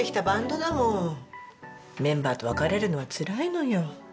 バンドだもんメンバーと別れるのはつらいのよ。